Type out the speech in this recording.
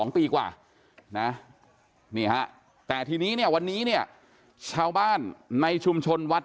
๒ปีกว่านะนี่ฮะแต่ทีนี้เนี่ยวันนี้เนี่ยชาวบ้านในชุมชนวัด